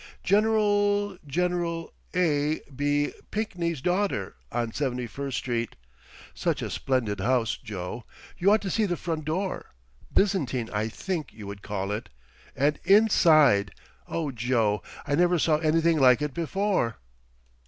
General—General A. B. Pinkney's daughter—on Seventy first street. Such a splendid house, Joe—you ought to see the front door! Byzantine I think you would call it. And inside! Oh, Joe, I never saw anything like it before.